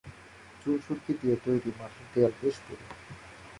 চুন-সুরকি দিয়ে তৈরি মঠের দেয়াল বেশ পুরু।